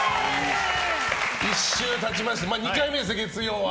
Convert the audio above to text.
１週、経ちまして２回目ですね、月曜は。